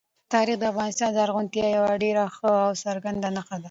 تاریخ د افغانستان د زرغونتیا یوه ډېره ښه او څرګنده نښه ده.